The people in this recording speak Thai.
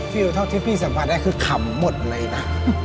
เท่าที่พี่สัมผัสได้คือขำหมดเลยนะ